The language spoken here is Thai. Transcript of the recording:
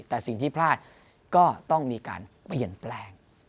แต่สิ่งที่พลาดก็ต้องมีการเปลี่ยนแปลง